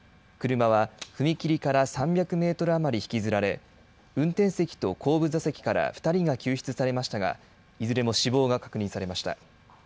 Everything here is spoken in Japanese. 車は踏切から３００メートル余り引きずられ、運転席と後部座席から２人が救出されましたが、いずれも死亡が確認されました。